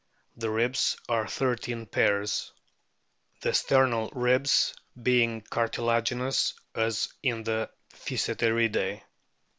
The ribs are thirteen pairs the sternal ribs being cartilaginous as in the Physeteridae.